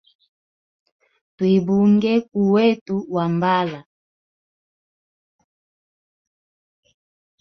Twibunge kuu wetu wambala.